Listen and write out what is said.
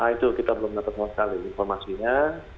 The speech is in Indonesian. itu kita belum dapat sama sekali informasinya